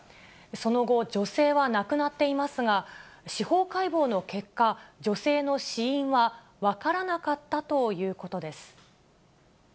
その後、女性は亡くなっていますが、司法解剖の結果、女性の死因は分からなかったということです。